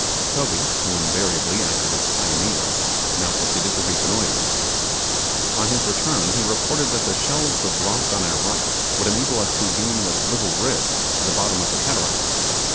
Toby, who invariably acted as pioneer, now proceeded to reconnoitre. On his return, he reported that the shelves of rock on our right would enable us to gain with little risk the bottom of the cataract.